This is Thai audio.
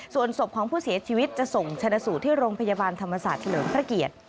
ส่วนศพของผู้เสียชีวิตจะส่งชนะสูตรที่โรงพยาบาลธรรมศาสตร์เฉลิมพระเกียรติ